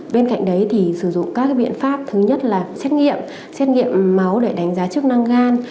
bên cạnh đấy thì sử dụng các biện pháp thứ nhất là xét nghiệm xét nghiệm máu để đánh giá chức năng gan